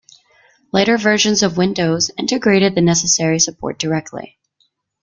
Later versions of Windows integrated the necessary support directly.